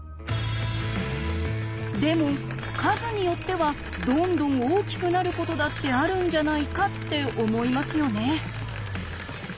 でも数によってはどんどん大きくなることだってあるんじゃないかって思いますよね。